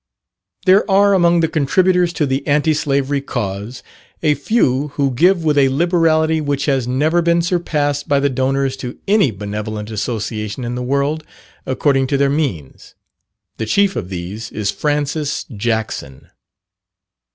There are among the contributors to the Anti Slavery cause, a few who give with a liberality which has never been surpassed by the donors to any benevolent association in the world, according to their means the chief of these is Francis Jackson.